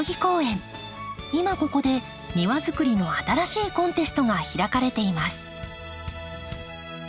今ここで庭づくりの新しいコンテストが開かれています。